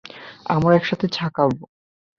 আমরা একসাথে চা খাব।